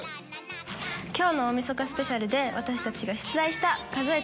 今日の『大みそかスペシャル！！』でワタシたちが出題した「数えて！